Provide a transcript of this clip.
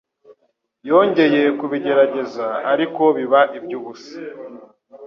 Yongeye kubigerageza, ariko biba iby'ubusa.